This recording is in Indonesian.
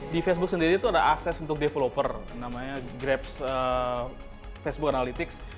di facebook sendiri itu ada akses untuk developer namanya grab facebook analytics